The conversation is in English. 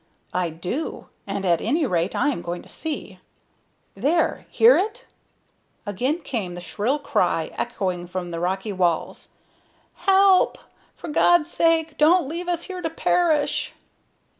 "I do, and at any rate I am going to see. There! Hear it?" Again came the shrill cry, echoing from the rocky walls. "Help! For God's sake, don't leave us here to perish!"